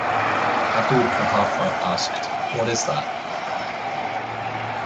Abu Quhafa asked, What is that?